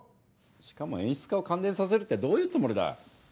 しかも演出家を感電させるってどういうつもりだ？